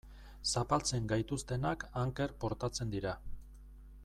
Zapaltzen gaituztenak anker portatzen dira.